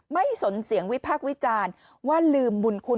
สนเสียงวิพากษ์วิจารณ์ว่าลืมบุญคุณ